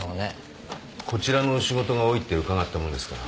こちらの仕事が多いって伺ったものですから。